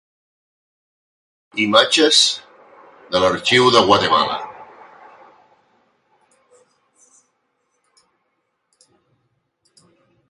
Imatges de l'Arxiu de Guatemala.